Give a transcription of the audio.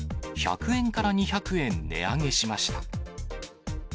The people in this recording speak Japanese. １００円から２００円、値上げしました。